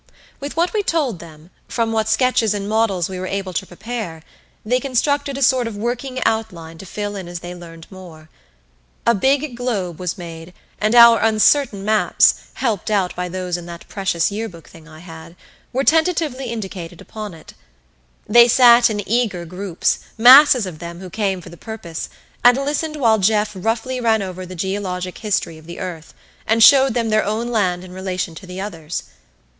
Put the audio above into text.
With what we told them, from what sketches and models we were able to prepare, they constructed a sort of working outline to fill in as they learned more. A big globe was made, and our uncertain maps, helped out by those in that precious yearbook thing I had, were tentatively indicated upon it. They sat in eager groups, masses of them who came for the purpose, and listened while Jeff roughly ran over the geologic history of the earth, and showed them their own land in relation to the others.